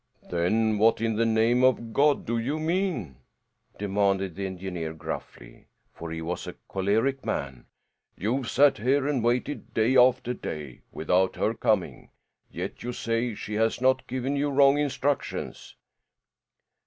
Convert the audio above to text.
"Then what in the name of God do you mean?" demanded the engineer gruffly, for he was a choleric man. "You've sat here and waited day after day without her coming, yet you say she has not given you wrong instructions."